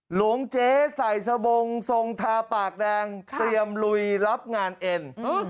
หลวงเจ๊ใส่สบงทรงทาปากแดงเตรียมลุยรับงานเอ็น